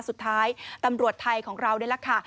สุดท้ายตำรวจไทยของเราค่ะ